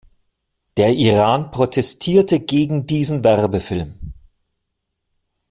Der Iran protestierte gegen diesen Werbefilm.